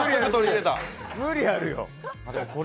無理あるよ！